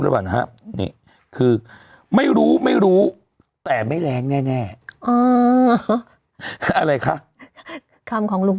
แล้วนะครับคือไม่รู้ไม่รู้แต่ไม่แรงแน่อะไรคะคำของลูก